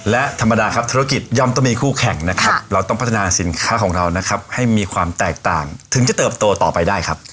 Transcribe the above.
และธรรมดาครับธุรกิจย่อมต้องมีคู่แข่งนะครับเราต้องพัฒนาสินค้าของเรานะครับให้มีความแตกต่างถึงจะเติบโตต่อไปได้ครับ